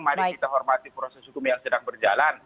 mari kita hormati proses hukum yang sedang berjalan